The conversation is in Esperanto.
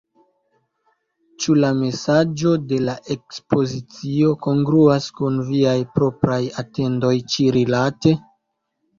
Ĉu la mesaĝo de la ekspozicio kongruas kun viaj propraj atendoj ĉi-rilate?